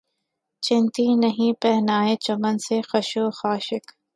چنتی نہیں پہنائے چمن سے خس و خاشاک